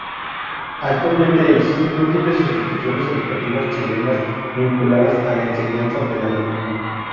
Actualmente existen múltiples instituciones educativas chilenas vinculadas a la enseñanza del alemán.